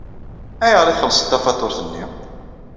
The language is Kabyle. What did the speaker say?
Ayɣer ay txellṣeḍ tafatuṛt-nni?